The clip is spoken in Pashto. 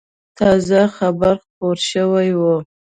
تازه خبر خپور شوی و.